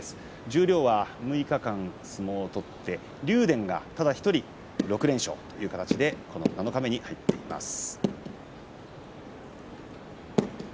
十両は６日間、相撲を取って竜電がただ１人６連勝という形でこの七日目に入っています。